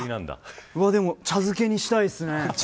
茶漬けにしたいですね。